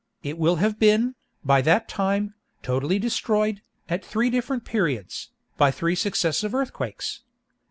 It will have been, by that time, totally destroyed, at three different periods, by three successive earthquakes.